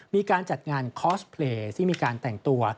มีการจัดงานคอสเพลย์ที่มีการแต่งตัว